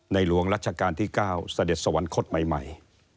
หลวงรัชกาลที่๙เสด็จสวรรคตใหม่